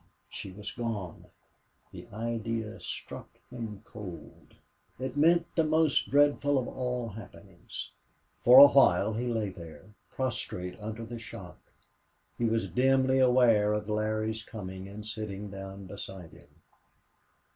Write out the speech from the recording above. She was gone! That idea struck him cold. It meant the most dreadful of all happenings. For a while he lay there, prostrate under the shock. He was dimly aware of Larry's coming and sitting down beside him.